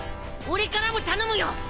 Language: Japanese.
俺からも頼むよ！